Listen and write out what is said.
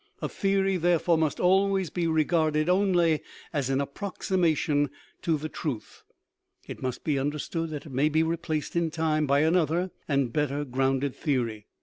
A theory, therefore, must always be regarded only as an approximation to the truth; it must be understood that it may be replaced in time by another and better grounded theory.